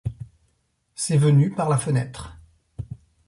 C’est venu par la fenêtre.